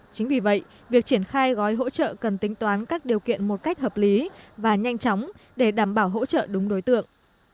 chính vì vậy việc triển khai gói hỗ trợ cần tính toán các điều kiện một cách hợp lý và nhanh chóng để đảm bảo hỗ trợ đúng đối tượng